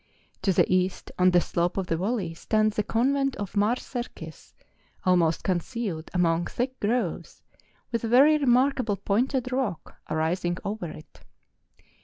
To the east, on the slope of the valley, stands the Con¬ vent of Mar Serkis, almost concealed among thick groves, with a very remarkable pointed rock arising over it.